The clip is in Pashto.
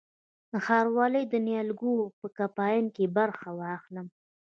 د ښاروالۍ د نیالګیو په کمپاین کې برخه واخلم؟